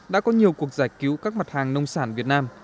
đã có nhiều cuộc giải cứu các mặt hàng nông sản việt nam